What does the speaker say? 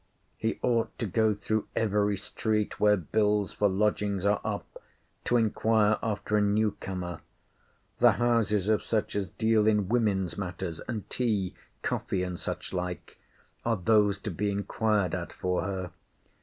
He ought to go through every street where bills for lodgings are up, to inquire after a new comer. The houses of such as deal in women's matters, and tea, coffee, and such like, are those to be inquired at for her.